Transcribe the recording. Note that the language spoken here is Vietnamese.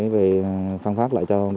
về phương pháp